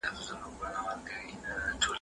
سياسي ګوندونه څه دنده لري؟